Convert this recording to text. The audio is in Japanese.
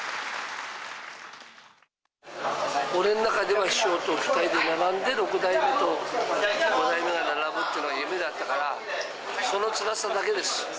俺の中での師匠と２人と並んで六代目と五代目が並ぶっていうのが夢だったから、そのつらさだけです。